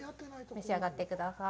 召し上がってください。